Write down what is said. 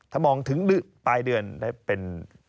ถ้ามองถึงปลายเดือนได้เป็น